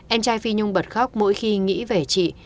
em trai phi nhung bật khóc mỗi khi nghĩ về chị